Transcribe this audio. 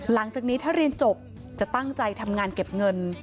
หลังจากนี้ถ้าเรียนจบจะตั้งใจทำงานเก็บเงิน